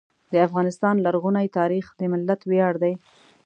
د افغانستان لرغونی تاریخ د ملت ویاړ دی.